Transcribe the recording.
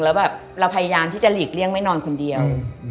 แล้วแบบเราพยายามที่จะหลีกเลี่ยงไม่นอนคนเดียว